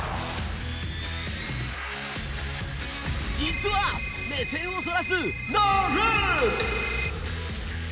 実は目線をそらすノールック。